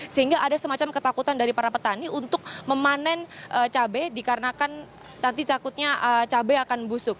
sehingga ada semacam ketakutan dari para petani untuk memanen cabai dikarenakan nanti takutnya cabai akan busuk